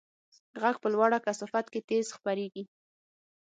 غږ په لوړه کثافت کې تېز خپرېږي.